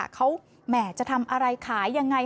เขาแหมจะทำอะไรขายยังไง